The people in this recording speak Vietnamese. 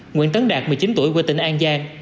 nguyễn tấn đạt một mươi chín tuổi quê tỉnh an giang